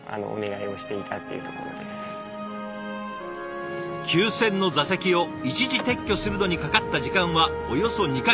９，０００の座席を一時撤去するのにかかった時間はおよそ２か月。